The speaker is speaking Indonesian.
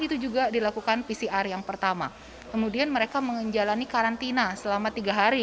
itu juga dilakukan pcr yang pertama kemudian mereka menjalani karantina selama tiga hari